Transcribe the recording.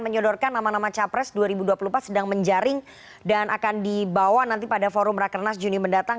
menyodorkan nama nama capres dua ribu dua puluh empat sedang menjaring dan akan dibawa nanti pada forum rakernas juni mendatang